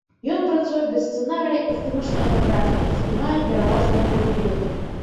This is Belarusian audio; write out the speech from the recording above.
Ён працуе без сцэнарыя і здымачнага графіка, здымае пераважна ў павільёне.